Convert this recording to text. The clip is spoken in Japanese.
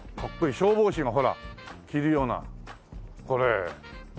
消防士がほら着るようなこれ。